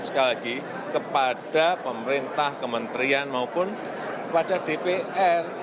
sekali lagi kepada pemerintah kementerian maupun kepada dpr